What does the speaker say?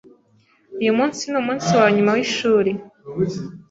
Uyu munsi numunsi wanyuma wishuri.